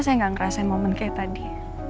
saya nggak ngerasain momen kayak tadi